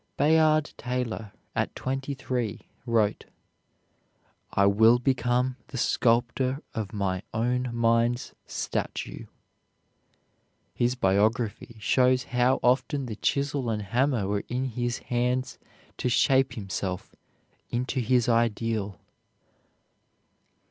Bayard Taylor, at twenty three, wrote: "I will become the sculptor of my own mind's statue." His biography shows how often the chisel and hammer were in his hands to shape himself into his ideal.